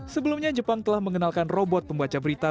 sebelumnya jepang telah mengenalkan robot pembaca berita